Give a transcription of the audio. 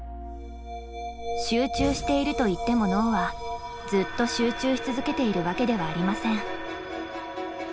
集中しているといっても脳はずっと集中し続けているわけではありません。